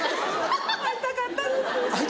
会いたかったです。